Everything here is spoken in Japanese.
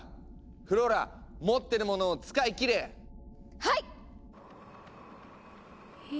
フローラ持ってるものを使い切れ！はいっ！